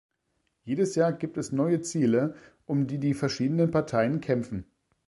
Jedes Jahr gibt es neue Ziele, um die die verschiedenen Parteien kämpfen.